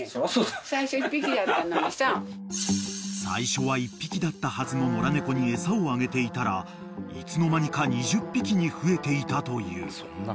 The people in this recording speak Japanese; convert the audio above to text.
［最初は１匹だったはずの野良猫に餌をあげていたらいつの間にか２０匹に増えていたという］